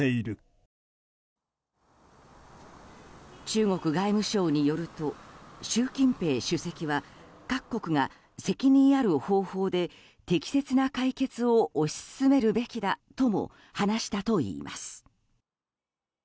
中国外務省によると習近平主席は各国が責任ある方法で適切な解決を推し進めるべきだとも話したといいます。